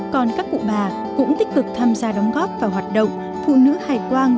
còn các cụ bà cũng tích cực tham gia đóng góp vào hoạt động phụ nữ hải quang